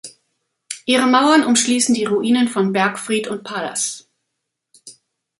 Ihre Mauern umschließen die Ruinen von Bergfried und Palas.